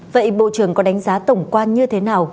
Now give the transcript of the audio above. vậy bộ trưởng có đánh giá tổng quan như thế nào